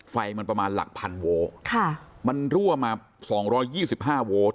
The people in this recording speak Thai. ไฟมันประมาณหลักพันโวลค่ะมันรั่วมาสองร้อยยี่สิบห้าโวลต